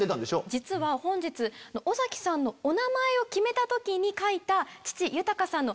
実は本日尾崎さんのお名前を決めた時に書いた。